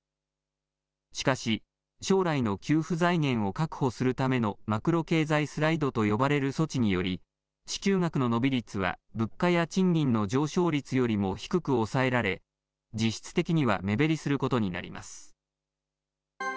しかし、将来の給付財源を確保するためのマクロ経済スライドと呼ばれる措置により、支給額の伸び率は物価や賃金の上昇率よりも低く抑えられ、実質的には目減りすることになります。